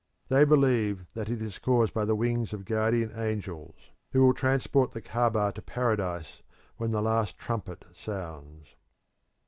They believe that it is caused by the wings of guardian angels who will transport the Caaba to paradise when the last trumpet sounds.